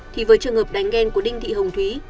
thì với trường hợp đánh ghen của đinh thị hồng thúy